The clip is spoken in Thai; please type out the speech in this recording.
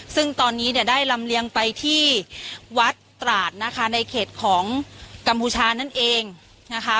ซึ่งตอนนี้เนี่ยได้ลำเลียงไปที่วัดตราดนะคะในเขตของกัมพูชานั่นเองนะคะ